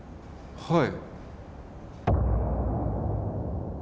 はい。